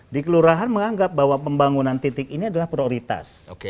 di kelurahan menganggap bahwa pembangunan titik ini adalah prioritas